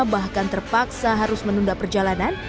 bahkan terpaksa harus menunda perjalanan